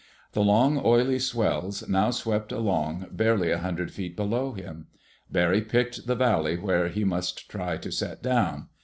The long, oily swells now swept along barely a hundred feet below him. Barry picked the valley where he must try to set down.